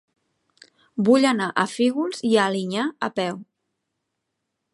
Vull anar a Fígols i Alinyà a peu.